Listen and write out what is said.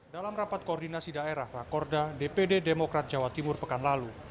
dalam rapat koordinasi daerah rakorda dpd demokrat jawa timur pekan lalu